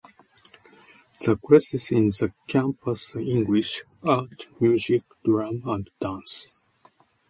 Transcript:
The classes in this campus are English, art, music, drama, and dance.